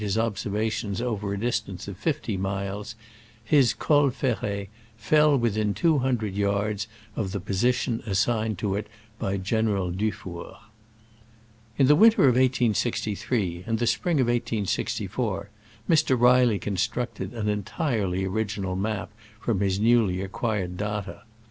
97 his observations over a distance of fifty miles, his Col Ferret "fell within two hundred yards of the position assigned to it by General Dufour !'* In the winter of 1863 and the spring of 1864, Mr. Reilly constructed an en tirely original map from his newly ac quired data.